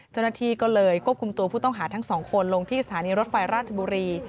เจ้าหน้าที่ก็เลยควบคุมตัวผู้ต้องหาทั้งสองคนลงที่สถานีรถไฟราชบุรี